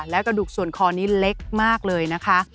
และกระดูกส่วนคอนี้เล็กมากเลยนะคะ